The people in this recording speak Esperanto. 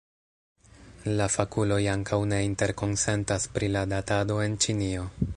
La fakuloj ankaŭ ne interkonsentas pri la datado en Ĉinio.